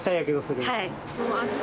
はい。